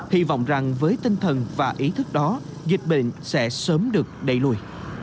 hy vọng rằng với tinh thần và ý thức đó dịch bệnh sẽ sớm được đẩy lùi